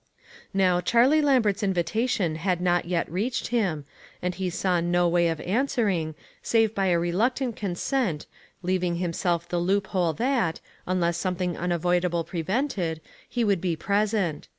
Now, Charlie Lambert's invitation had not yet reached him, and he saw no way of answering, save by a reluctant consent, leav ing himself the loophole that, unless some thing unavoidable prevented, he would be present.